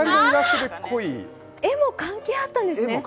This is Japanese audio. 絵も関係あったんですね。